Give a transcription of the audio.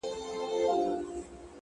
چي مي ناپامه هغه تيت څراغ ته;